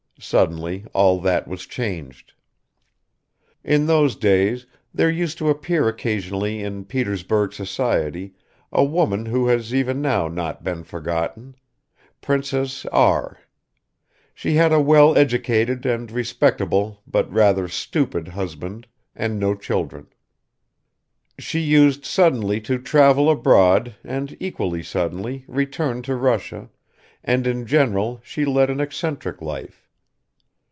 Suddenly all that was changed. In those days there used to appear occasionally in Petersburg society a woman who has even now not been forgotten Princess R. She had a well educated and respectable, but rather stupid husband, and no children. She used suddenly to travel abroad and equally suddenly return to Russia, and in general she led an eccentric life.